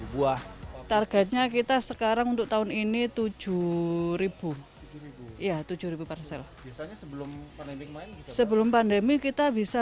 tiga ribu buah targetnya kita sekarang untuk tahun ini tujuh ribu ya tujuh ribu parsel sebelum pandemi kita bisa